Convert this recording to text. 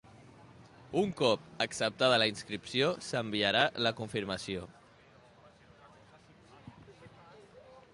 Un cop acceptada la inscripció s'enviarà la confirmació.